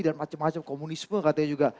dan macam macam komunisme katanya juga